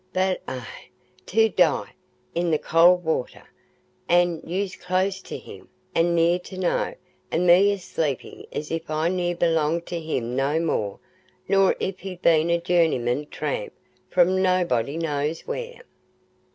But eh! To die i' the cold water, an' us close to him, an' ne'er to know; an' me a sleepin', as if I ne'er belonged to him no more nor if he'd been a journeyman tramp from nobody knows where!"